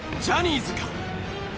ジャニーズか？